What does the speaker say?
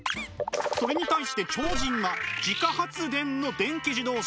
それに対して超人は自家発電の電気自動車。